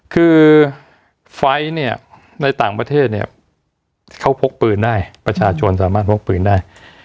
คือไฟท์ในต่างประเทศเขาพกปืนได้ประชาชนสามารถพกปืนได้